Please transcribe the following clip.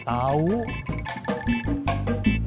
gak tahu muhyiddin